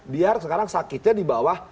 biar sekarang sakitnya di bawah